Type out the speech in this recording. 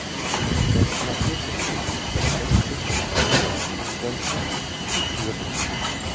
Das Naturschutzgebiet erstreckt sich entlang der Landesgrenze zu Thüringen.